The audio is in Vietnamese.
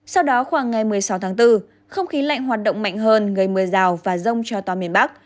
sau đó khoảng ngày một mươi sáu tháng bốn không khí lạnh hoạt động mạnh hơn gây mưa rào và rông cho toàn miền bắc